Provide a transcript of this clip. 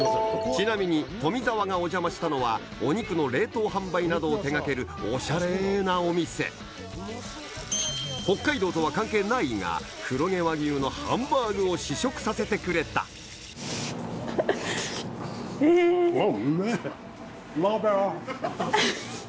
ちなみに富澤がお邪魔したのはお肉の冷凍販売などを手がけるオシャレなお店北海道とは関係ないが黒毛和牛のハンバーグを試食させてくれたうわっうめぇウマーベラス。